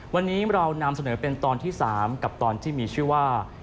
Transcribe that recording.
วันนี้เรานำเสนอเป็นตอนที่๓กับตอนที่มีชื่อว่า